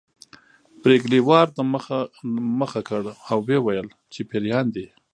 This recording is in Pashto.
پريګلې وار د مخه کړ او وویل چې پيريان دي